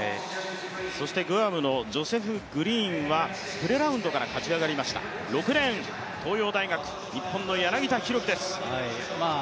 そしてグアムのジョセフ・グリーンはプレラウンドから勝ち上がりました、６レーン、東洋大学日本の柳田大輝です。